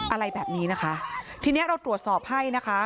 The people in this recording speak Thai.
อะไรแบบนี้นะคะทีเนี้ยเราตรวจสอบให้นะคะ